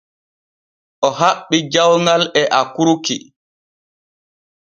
O haɓɓi jawŋal e akurki.